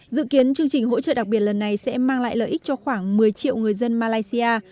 dự kiến chương trình hỗ trợ đặc biệt lần này sẽ mang lại lợi ích cho khoảng một mươi triệu người dân malaysia